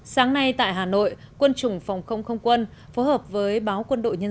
sáng nay tại hà nội quân chủng phòng không không quân phối hợp với báo quân đội nhân